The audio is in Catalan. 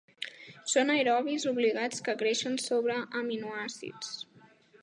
Són aerobis obligats que creixen sobre aminoàcids.